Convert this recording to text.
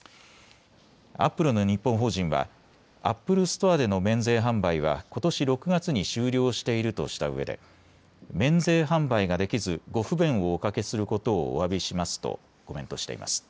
アップルの日本法人はアップルストアでの免税販売はことし６月に終了しているとしたうえで免税販売ができず、ご不便をおかけすることをおわびしますとコメントしています。